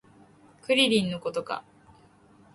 クリリンのことか